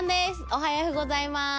おはようございます。